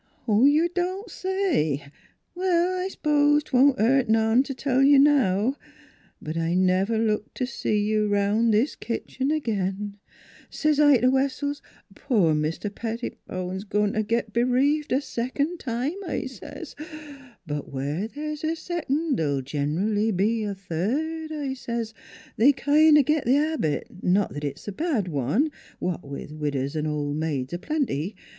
" You don't say ! Well, I s'pose 'twon't hurt none t' tell you now; but I never looked t' see you 'round this 'ere kitchen agin. 'S I says t' Wessells, * Poor Mr. Pettibone's a goin' t' git b'reaved a secon' time,' I says. * But where there's a secon' th'll gen'ally be a third,' I says. They kind o' git th' habit not that it's a bad one, what with widows an' ol' maids a plenty.